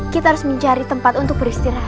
kita harus mencari tempat untuk beristirahat